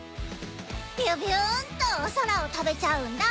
ビュビューンとお空を飛べちゃうんだ！